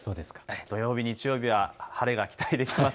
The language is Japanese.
土曜日、日曜日は晴れが期待できます。